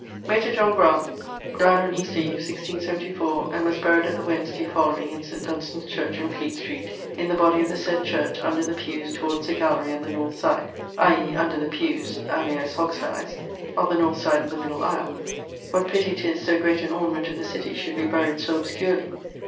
Major John Graunt dyed on Easter eve 1674, and was buryed the Wednesday followeing in St. Dunstan's church in Fleet street in the body of the said church under the piewes towards the gallery on the north side, i.e., under the piewes (alias hoggsties) of the north side of the middle aisle (what pitty 'tis so great an ornament of the citty should be buryed so obscurely!)